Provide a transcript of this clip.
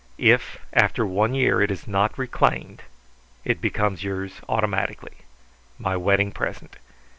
If after one year it is not reclaimed it becomes yours automatically. My wedding present.